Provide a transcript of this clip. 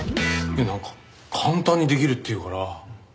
いやなんか簡単にできるっていうから。